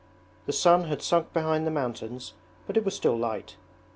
The sun had sunk behind the mountains but it was still light.